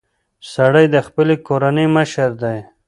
سړی د خپلې کورنۍ مشر دی.